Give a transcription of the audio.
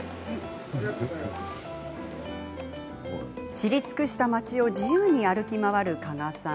知り尽くした街を自由に歩き回る加賀さん。